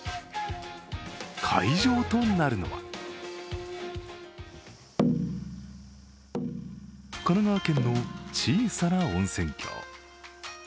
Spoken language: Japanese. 会場となるのは神奈川県の小さな温泉郷。